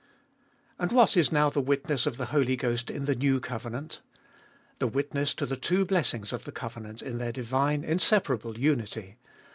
And what is now the witness of the Holy Ghost in the new covenant ? The witness to the two blessings of the covenant in their divine inseparable unity.